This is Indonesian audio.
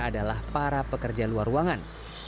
adalah para pekerja luar ruangan